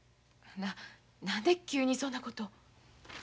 なあ何で急にそんなこと。